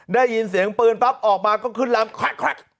ได้ยินเสียงปืนปั๊บออกมาก็ขึ้นลำคลัก